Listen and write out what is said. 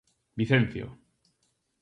Vicencio.